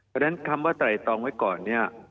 เพราะฉะนั้นคำว่าไตรตองไว้ก่อนเนี่ย